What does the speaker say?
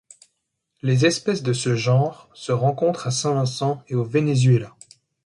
Les espèces de ce genre se rencontrent à Saint-Vincent et au Venezuela.